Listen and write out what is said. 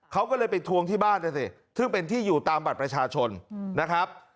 เขาก็เลยไปทวงที่บ้านนะสิซึ่งเป็นที่อยู่ตามบัตรประชาชนนะครับ